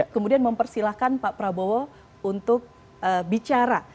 kemudian mempersilahkan pak prabowo untuk bicara